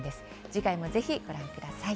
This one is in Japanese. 次回も、ぜひご覧ください。